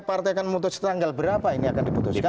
partai akan memutus tanggal berapa ini akan diputuskan